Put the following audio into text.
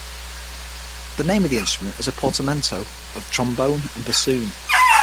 The name of the instrument is a portmanteau of "trombone" and "bassoon".